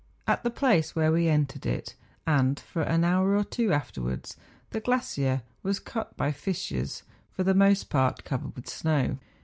At the place where we entered it, and for an hour or two afterwards, the glacier was cut by fissures, for the most part covered with snow.